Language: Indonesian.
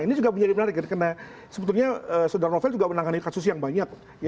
ini juga menjadi menarik karena sebetulnya saudara novel juga menangani kasus yang banyak